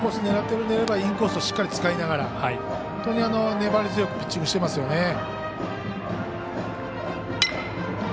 狙ってるのであればインコースをしっかりと使いながら本当に粘り強くピッチングしていますね。